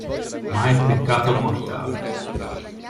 Ma è peccato mortale.